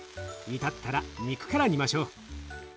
煮立ったら肉から煮ましょう。